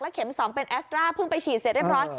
เข็ม๒เป็นแอสตราเพิ่งไปฉีดเสร็จเรียบร้อย